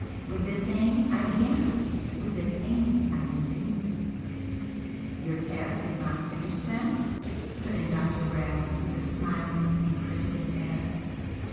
With this aim I began with this aim I continued." "Your task is not finished, then?" put in Dr. Brayle, with a smilingly incredulous air.